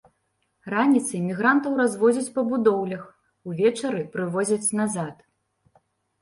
Раніцай мігрантаў развозяць па будоўлях, увечары прывозяць назад.